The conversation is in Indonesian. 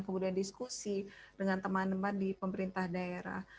kemudian diskusi dengan teman teman di pemerintah daerah